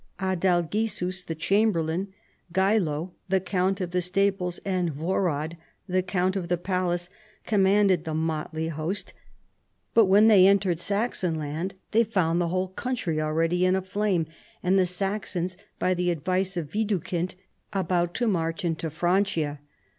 Adalgisus the chamberlain, Geilo the count of the stables, and Worad the count of the palace, commanded the motley host ; but when they 152 CHARLEMAGNE. entered Saxon land they found the whole country alread}' in a flame, and the Saxons, by the advice of Widukind, about to march into Francia.